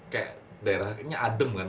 kayak daerahnya adem kan